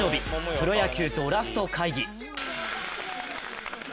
プロ野球ドラフト会議。